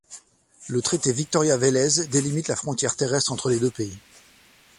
Le traité Victoria-Vélez délimite la frontière terrestre entre les deux pays.